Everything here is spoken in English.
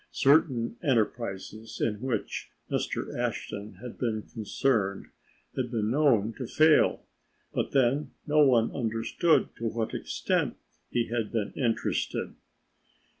Certain enterprises in which Mr. Ashton had been concerned had been known to fail, but then no one understood to what extent he had been interested.